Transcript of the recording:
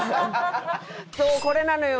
そうこれなのよ！